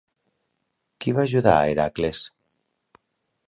Qui va ajudar a Hèracles?